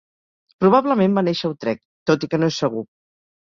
Probablement va néixer a Utrecht, tot i que no és segur.